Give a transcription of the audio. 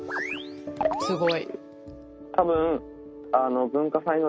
すごい。